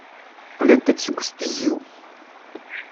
Qqlent-d seg ustidyu.